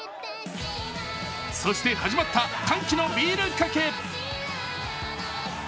そして始まった歓喜のビールかけ。